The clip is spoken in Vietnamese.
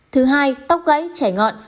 thứ hai tóc gãy chảy ngọn